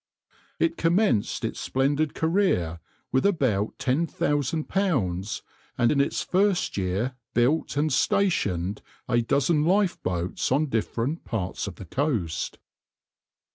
It commenced its splendid career with about £10,000, and in its first year built and stationed a dozen lifeboats on different parts of the coast.